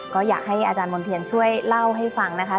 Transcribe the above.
ก็อยากให้อาจารย์มณ์เทียนช่วยเล่าให้ฟังนะคะ